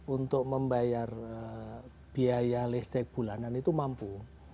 untuk membayar biaya listrik bulanan itu mampu